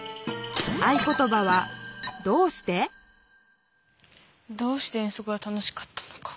合い言ばは「どうして」どうして遠足が楽しかったのか？